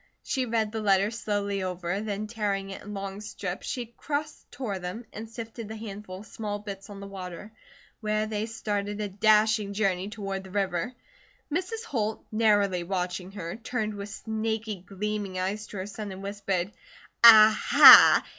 She read the letter slowly over, then tearing it in long strips she cross tore them and sifted the handful of small bits on the water, where they started a dashing journey toward the river. Mrs. Holt, narrowly watching her, turned with snaky gleaming eyes to her son and whispered: "A ha!